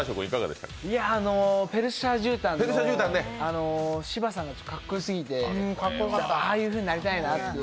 ペルシャじゅうたんの芝さんがかっこよすぎてああいうふうになりたいなと。